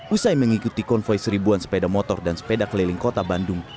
usai mengikuti konvoy seribuan sepeda motor dan sepeda keliling kota bandung